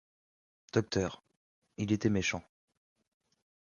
Docteur, il était méchant.